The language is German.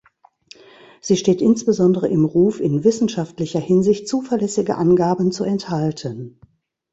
Sie steht insbesondere im Ruf, in wissenschaftlicher Hinsicht zuverlässige Angaben zu enthalten.